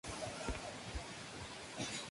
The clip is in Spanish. El fruto es una cápsula inmadura elíptica, glabra.